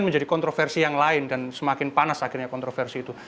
jadi kontroversi yang lain dan semakin panas akhirnya kontroversi itu